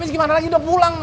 gimana lagi udah pulang